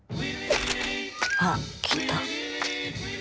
あっきた。